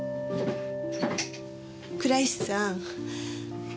倉石さん。